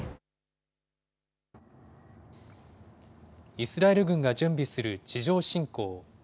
イスラエル軍が準備する地上侵攻。